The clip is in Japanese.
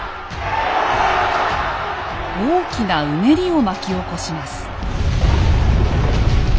大きなうねりを巻き起こします。